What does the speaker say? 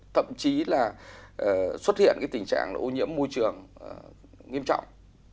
thậm chí là xuất hiện cái tình trạng ô nhiễm môi trường nghiêm trọng